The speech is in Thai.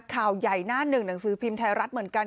ข่าวใหญ่หน้าหนึ่งหนังสือพิมพ์ไทยรัฐเหมือนกัน